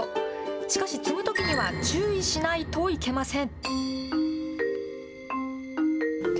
しかし、摘むときには注意しないといけません。